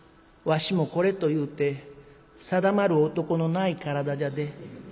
わしもこれというて定まる男のない体じゃで。